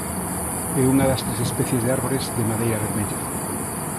É unha das tres especies de árbores de madeira vermella.